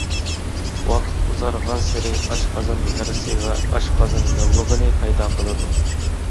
ۋاقىت ئۇزارغانسېرى ئاشقازان يارىسى ۋە ئاشقازان ياللۇغىنى پەيدا قىلىدۇ.